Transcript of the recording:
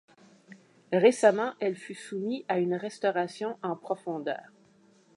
Récemment, elle fut soumis à une restauration en profondeur.